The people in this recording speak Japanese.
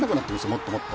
もっともっと。